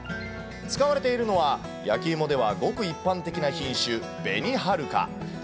使われているのは、焼きいもではごく一般的な品種、紅はるか。